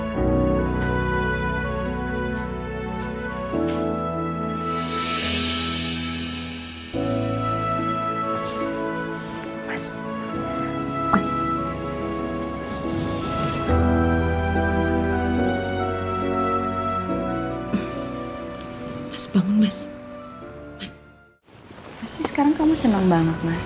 mas sih sekarang kamu seneng banget mas